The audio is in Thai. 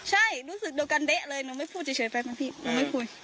ใช่รู้สึกเดียวกันเด๊ะเลยหนูไม่พูดเฉยไปมั้งพี่หนูไม่คุย